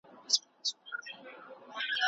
چې تا ته نظر مات شي، د چینو سترګې بهاندې